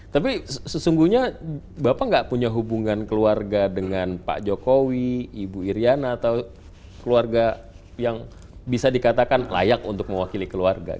tapi sesungguhnya bapak nggak punya hubungan keluarga dengan pak jokowi ibu iryana atau keluarga yang bisa dikatakan layak untuk mewakili keluarga